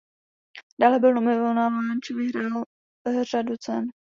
Dále byl nominován či vyhrál řadu cen.